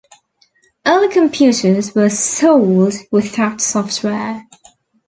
Early computers were sold without software.